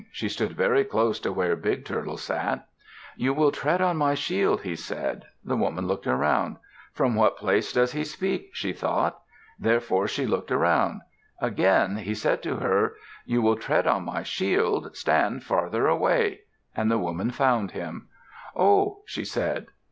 She stood very close to where Big Turtle sat. "You will tread on my shield," he said. The woman looked around. "From what place does he speak?" she thought; therefore she looked around. Again he said to her, "You will tread on my shield. Stand further away." And the woman found him. "Oh!" she said.